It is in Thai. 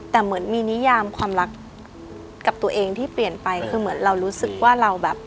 แต่เหมือนมีนิยามความรักกับตัวเองที่เปลี่ยนไปคือเหมือนเรารู้สึกว่าเราแบบ